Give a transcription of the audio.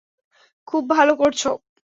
খুব ভালো করছো।